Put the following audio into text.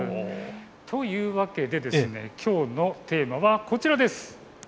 というわけできょうのテーマこちらです。